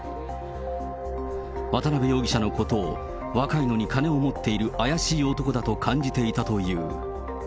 渡辺容疑者のことを、若いのに金を持っている怪しい男だと感じていたという。